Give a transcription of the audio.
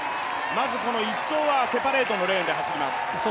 まず１走はセパレートのレーンで走ります。